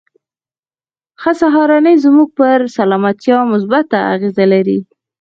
ښه سهارنۍ زموږ پر سلامتيا مثبته اغېزه لري.